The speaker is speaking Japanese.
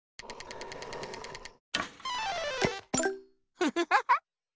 フフフフ。